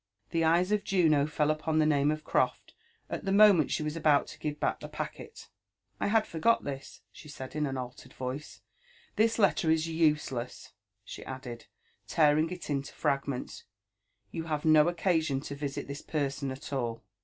The eyes of Juno fell upon the name of Croft at the moment she was about to give back the packet. " I had forgot this," she said in an altered voice: ''This letter is useless," she added, tearing it in fragments ;you have no occasion to visit this person at all."